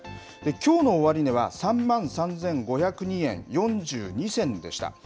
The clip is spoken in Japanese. きょうの終値は３万３５０２円４２銭でした。